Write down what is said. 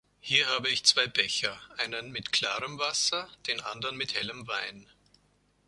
Hier habe ich zwei Becher: einen mit klarem Wasser, den anderen mit hellem Wein.